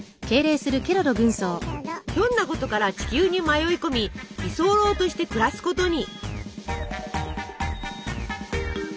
ひょんなことから地球に迷い込み居候として暮らすことに。